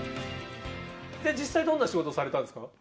実際どんな仕事されたんですか。